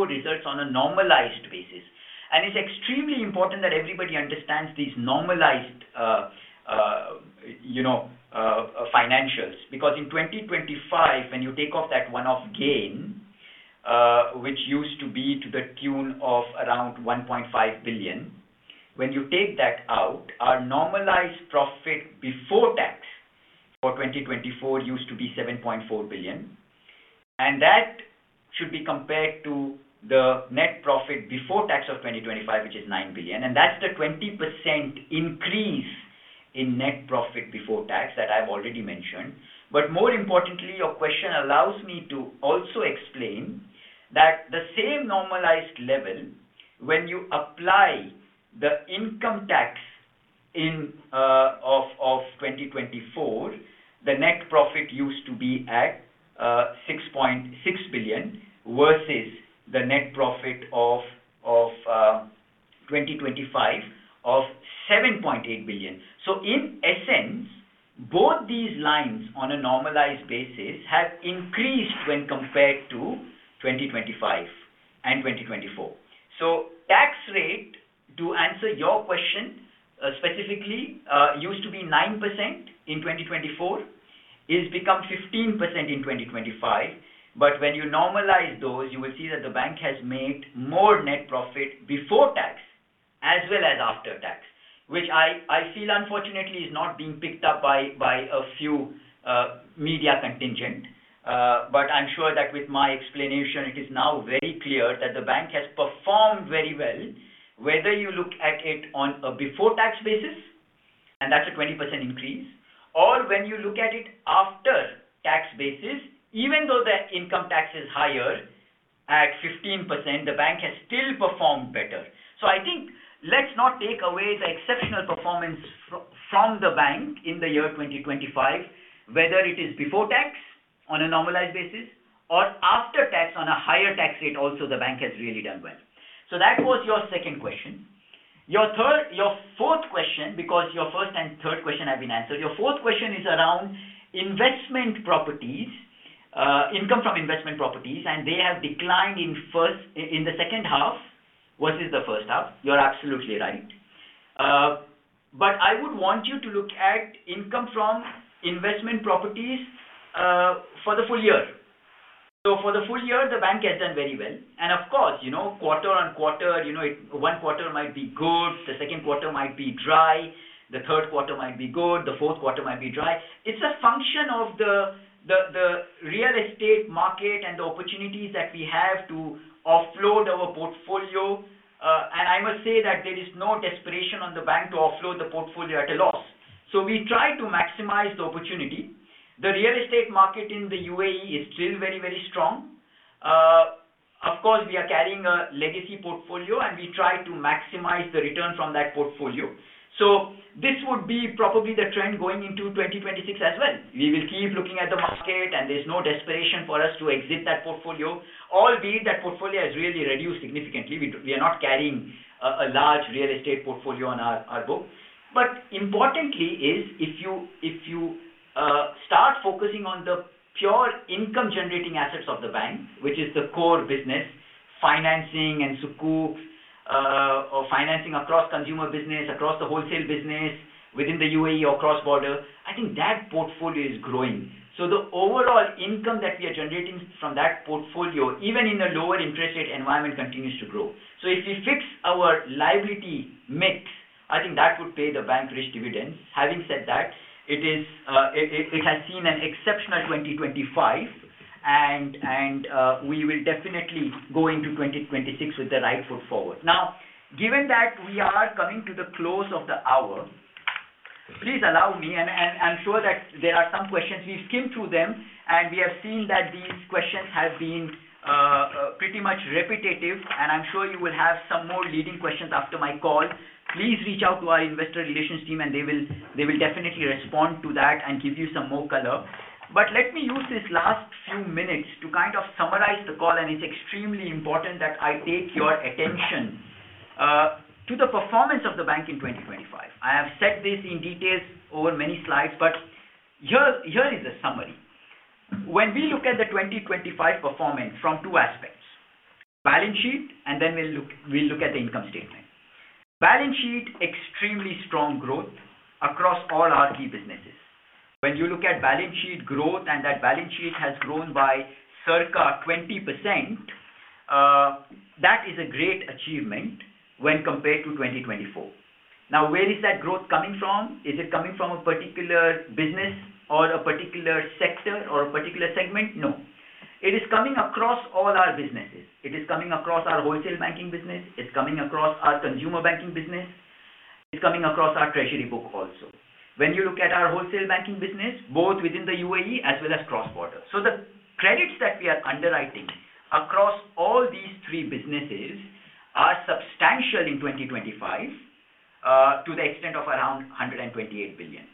results on a normalized basis, and it's extremely important that everybody understands these normalized, you know, financials. Because in 2025, when you take off that one-off gain, which used to be to the tune of around 1.5 billion, when you take that out, our normalized profit before tax for 2024 used to be 7.4 billion, and that should be compared to the net profit before tax of 2025, which is 9 billion, and that's the 20% increase in net profit before tax that I've already mentioned. But more importantly, your question allows me to also explain that the same normalized level, when you apply the income tax in of 2024, the net profit used to be at 6.6 billion versus the net profit of of 2025 of 7.8 billion. So in essence, both these lines on a normalized basis have increased when compared to 2025 and 2024. So tax rate, to answer your question specifically, used to be 9% in 2024, it's become 15% in 2025. But when you normalize those, you will see that the bank has made more net profit before tax as well as after tax, which I feel unfortunately is not being picked up by a few media contingent. But I'm sure that with my explanation, it is now very clear that the bank has performed very well, whether you look at it on a before-tax basis, and that's a 20% increase, or when you look at it after-tax basis, even though the income tax is higher at 15%, the bank has still performed better. So I think let's not take away the exceptional performance from the bank in the year 2025, whether it is before tax on a normalized basis or after tax on a higher tax rate, also the bank has really done well. So that was your second question. Your third, your fourth question, because your first and third question have been answered. Your fourth question is around investment properties, income from investment properties, and they have declined in the second half versus the first half. You're absolutely right. But I would want you to look at income from investment properties for the full year. So for the full year, the bank has done very well. And of course, you know, quarter-over-quarter, you know, one quarter might be good, the second quarter might be dry, the third quarter might be good, the fourth quarter might be dry. It's a function of the real estate market and the opportunities that we have to offload our portfolio. And I must say that there is no desperation on the bank to offload the portfolio at a loss. So we try to maximize the opportunity. The real estate market in the UAE is still very, very strong. Of course, we are carrying a legacy portfolio, and we try to maximize the return from that portfolio. So this would be probably the trend going into 2026 as well. We will keep looking at the market, and there's no desperation for us to exit that portfolio. Albeit, that portfolio has really reduced significantly. We are not carrying a large real estate portfolio on our book. But importantly is if you start focusing on the pure income-generating assets of the bank, which is the core business, financing and Sukuk, or financing across consumer business, across the wholesale business, within the UAE or cross-border, I think that portfolio is growing. So the overall income that we are generating from that portfolio, even in a lower interest rate environment, continues to grow. So if we fix our liability mix, I think that would pay the bank rich dividends. Having said that, it is--it has seen an exceptional 2025, and we will definitely go into 2026 with the right foot forward. Now, given that we are coming to the close of the hour, please allow me, and I'm sure that there are some questions. We've skimmed through them, and we have seen that these questions have been pretty much repetitive, and I'm sure you will have some more leading questions after my call. Please reach out to our investor relations team, and they will definitely respond to that and give you some more color. But let me use these last few minutes to kind of summarize the call, and it's extremely important that I take your attention to the performance of the bank in 2025. I have said this in details over many slides, but here is a summary. When we look at the 2025 performance from two aspects: balance sheet, and then we'll look at the income statement. Balance sheet, extremely strong growth across all our key businesses. When you look at balance sheet growth, and that balance sheet has grown by circa 20%, that is a great achievement when compared to 2024. Now, where is that growth coming from? Is it coming from a particular business or a particular sector or a particular segment? No. It is coming across all our businesses. It is coming across our wholesale banking business. It's coming across our consumer banking business. It's coming across our treasury book also. When you look at our wholesale banking business, both within the UAE as well as cross-border. So the credits that we are underwriting across all these three businesses are substantial in 2025, to the extent of around 128 billion.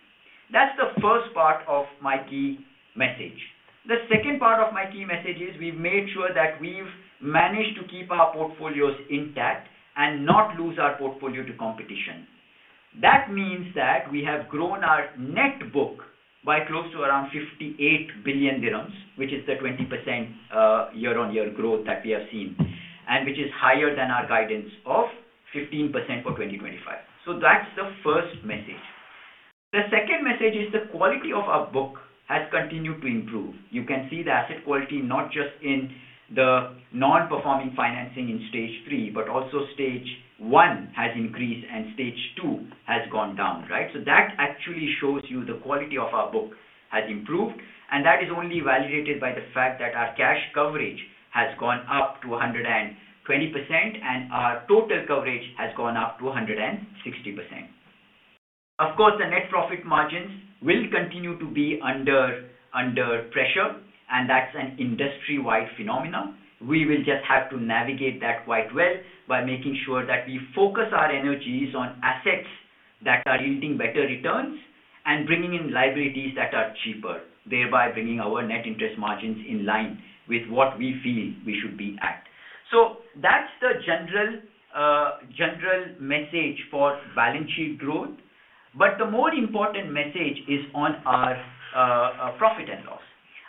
That's the first part of my key message. The second part of my key message is we've made sure that we've managed to keep our portfolios intact and not lose our portfolio to competition. That means that we have grown our net book by close to around 58 billion dirhams, which is the 20%, year-on-year growth that we have seen, and which is higher than our guidance of 15% for 2025. So that's the first message. The second message is the quality of our book has continued to improve. You can see the asset quality, not just in the non-performing financing in Stage 3, but also Stage 1 has increased and Stage 2 has gone down, right? So that actually shows you the quality of our book has improved, and that is only validated by the fact that our cash coverage has gone up to 100%, and our total coverage has gone up to 160%. Of course, the net profit margins will continue to be under pressure, and that's an industry-wide phenomenon. We will just have to navigate that quite well by making sure that we focus our energies on assets that are yielding better returns and bringing in liabilities that are cheaper, thereby bringing our net interest margins in line with what we feel we should be at. So that's the general, general message for balance sheet growth. But the more important message is on our profit and loss.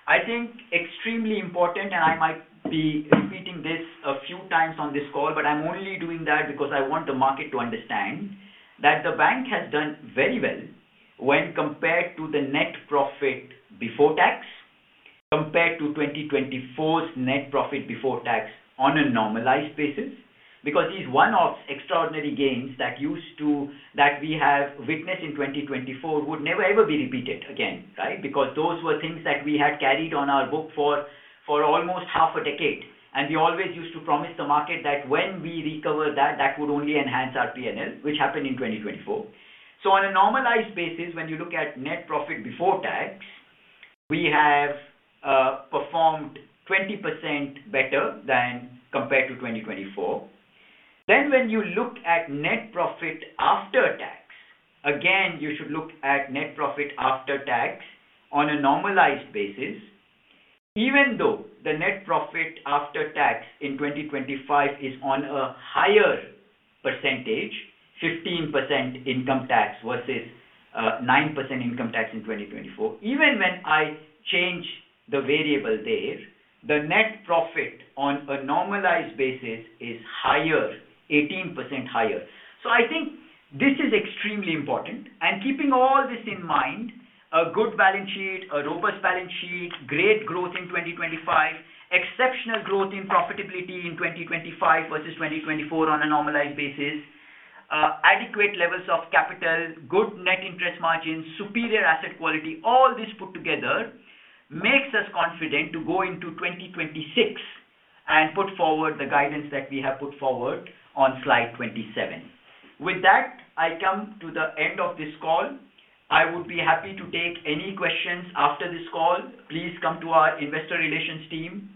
I think extremely important, and I might be repeating this a few times on this call, but I'm only doing that because I want the market to understand, that the bank has done very well when compared to the net profit before tax, compared to 2024's net profit before tax on a normalized basis. Because these one-offs extraordinary gains that used to—that we have witnessed in 2024 would never, ever be repeated again, right? Because those were things that we had carried on our book for, for almost half a decade, and we always used to promise the market that when we recover that, that would only enhance our P&L, which happened in 2024. So on a normalized basis, when you look at net profit before tax, we have performed 20% better than compared to 2024. When you look at net profit after tax, again, you should look at net profit after tax on a normalized basis. Even though the net profit after tax in 2025 is on a higher percentage, 15% income tax versus 9% income tax in 2024. Even when I change the variable there, the net profit on a normalized basis is higher, 18% higher. So I think this is extremely important. Keeping all this in mind, a good balance sheet, a robust balance sheet, great growth in 2025, exceptional growth in profitability in 2025 versus 2024 on a normalized basis, adequate levels of capital, good net interest margins, superior asset quality, all this put together makes us confident to go into 2026 and put forward the guidance that we have put forward on slide 27. With that, I come to the end of this call. I would be happy to take any questions after this call. Please come to our investor relations team.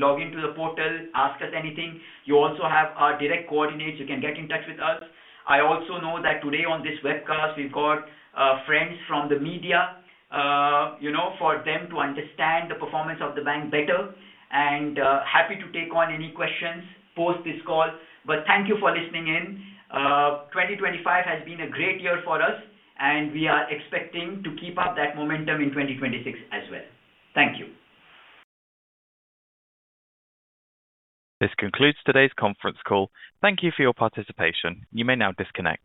Log into the portal, ask us anything. You also have our direct coordinates. You can get in touch with us. I also know that today on this webcast, we've got friends from the media, you know, for them to understand the performance of the bank better, and happy to take on any questions post this call. But thank you for listening in. 2025 has been a great year for us, and we are expecting to keep up that momentum in 2026 as well. Thank you. This concludes today's conference call. Thank you for your participation. You may now disconnect.